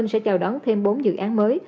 sẽ chào đón thêm bốn dự án mới